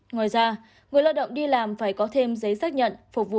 ngoài ra người lao động đi làm phải có thêm giấy xác nhận